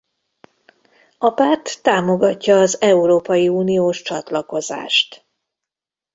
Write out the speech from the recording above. A párt támogatja az európai uniós csatlakozást.